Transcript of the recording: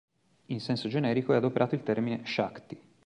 In senso generico, è adoperato il termine "śakti".